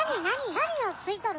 何を吸い取る？